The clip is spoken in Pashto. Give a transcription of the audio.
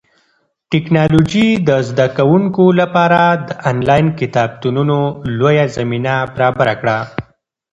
ټیکنالوژي د زده کوونکو لپاره د انلاین کتابتونونو لویه زمینه برابره کړه.